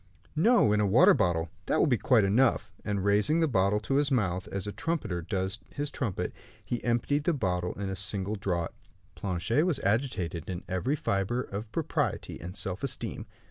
"No, in a water bottle; that will be quite enough;" and raising the bottle to his mouth, as a trumpeter does his trumpet, he emptied the bottle at a single draught. Planchet was agitated in every fibre of propriety and self esteem.